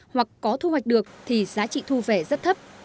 hoặc có thu hoạch được thì giá trị thu về rất thấp